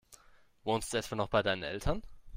Wohnst du etwa noch bei deinen Eltern?